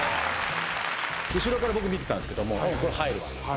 後ろから僕見てたんですけどもこれ入るわと。